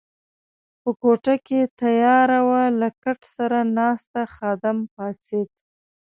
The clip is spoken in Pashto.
په کوټه کې تیاره وه، له کټ سره ناست خادم پاڅېد.